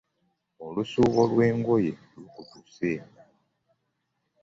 Olusuubo lw'engoye lukutuse.